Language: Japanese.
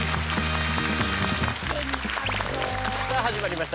さあ始まりました